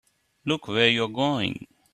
Look where you're going!